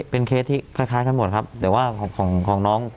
เป็นเคสที่คล้ายกันหมดครับแต่ว่าของน้อง